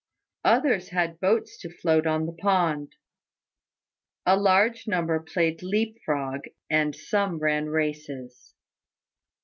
Others had boats to float on the pond. A large number played leap frog, and some ran races.